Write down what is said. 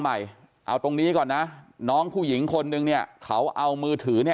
ใหม่เอาตรงนี้ก่อนนะน้องผู้หญิงคนนึงเนี่ยเขาเอามือถือเนี่ย